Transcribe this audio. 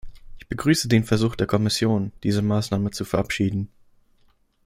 Ich begrüße den Versuch der Kommission, diese Maßnahmen zu verabschieden.